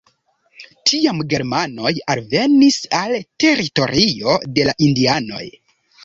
Tiam germanoj alvenis al teritorio de la indianoj.